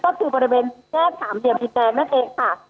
ก็คือบริเวณแยกสามเหลี่ยมดินแดงนั่นเองค่ะ